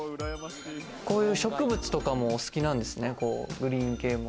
こういう植物とかもお好きなんですね、グリーン系も。